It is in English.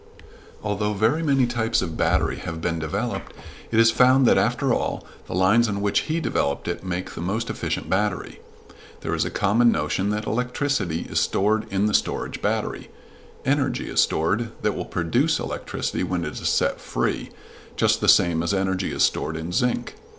Although very many types of battery have been developed, it is found that, after all, the lines on which he developed it make the most efficient battery. There is a common notion that electricity is stored in the storage battery. Energy is stored, that will produce electricity when it is set free, just the same as energy is stored in zinc.